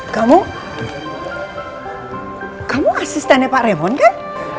kamu kamu asistennya pak remon kan